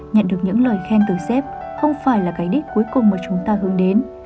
nhận được những lời khen từ xếp không phải là cái đích cuối cùng mà chúng ta hướng đến